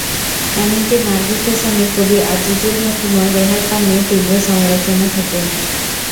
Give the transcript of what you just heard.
এমনকি নার্গিসের স্বামী কবি আজিজুল হাকিমও রেহাই পাননি তীব্র সমালোচনা থেকে।